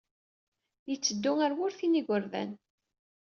Yetteddu ɣer wurti n yigerdan.